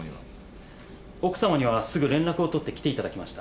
奥さまにはすぐ連絡を取ってきていただきました。